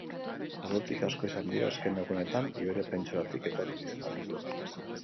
Ordutik asko izan dira azken egunetan Iberiar Penintsulatik etorri diren adituak.